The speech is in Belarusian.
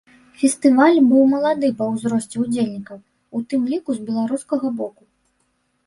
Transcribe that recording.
Фестываль быў малады па ўзросце ўдзельнікаў, у тым ліку з беларускага боку.